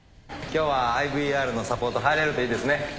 今日はＩＶＲのサポート入れるといいですね。